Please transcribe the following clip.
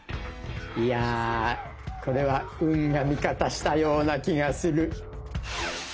いやこれは運が味方したような気がする。